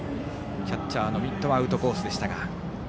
キャッチャーのミットはアウトコースでしたが。